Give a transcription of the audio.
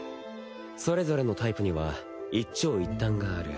それぞれのタイプには一長一短がある。